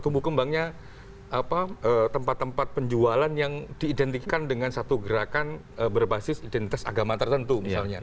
tumbuh kembangnya tempat tempat penjualan yang diidentikan dengan satu gerakan berbasis identitas agama tertentu misalnya